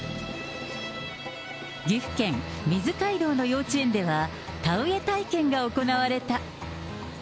岐阜県水海道の幼稚園では、田植え体験が行われた。